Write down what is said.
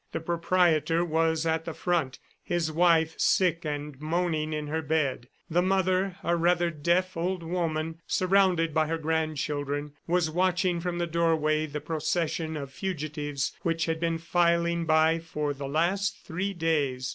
The proprietor was at the front, his wife sick and moaning in her bed. The mother, a rather deaf old woman surrounded by her grandchildren, was watching from the doorway the procession of fugitives which had been filing by for the last three days.